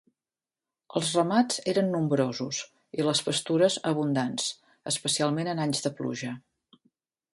Els ramats eren nombrosos i les pastures abundants especialment en anys de pluja.